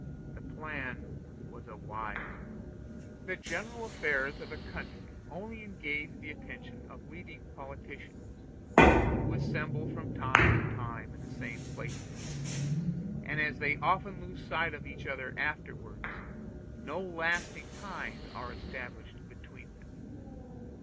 The plan was a wise one. The general affairs of a country only engage the attention of leading politicians, who assemble from time to time in the same places; and as they often lose sight of each other afterwards, no lasting ties are established between them.